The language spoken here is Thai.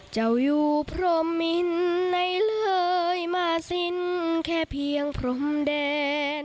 เจ้ายู่พรหมิ่นในเลยมาสิ้นแค่เพียงพรหมแดน